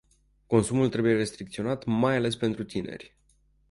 Consumul trebuie restricționat mai ales pentru tineri.